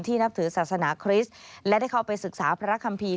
นับถือศาสนาคริสต์และได้เข้าไปศึกษาพระคัมภีร์